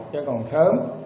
chứ còn sớm